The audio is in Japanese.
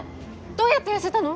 どうやって痩せたの？